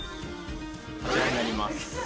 こちらになります。